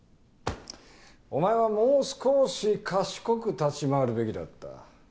お前はもう少し賢く立ち回るべきだった。